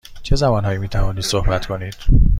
چه زبان هایی می توانید صحبت کنید؟